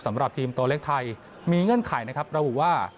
สำหรับทีมตัวเล็กไทยมีเงื่อนไขนะครับระบุว่า